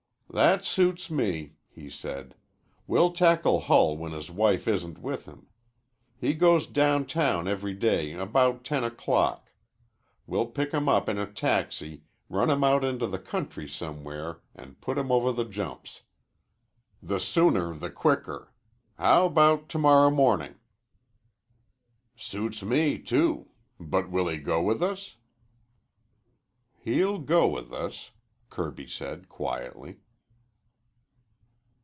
"That suits me," he said. "We'll tackle Hull when his wife isn't with him. He goes downtown every day about ten o'clock. We'll pick him up in a taxi, run him out into the country somewhere, an' put him over the jumps. The sooner the quicker. How about to morrow morning?" "Suits me, too. But will he go with us?" "He'll go with us," Kirby said quietly.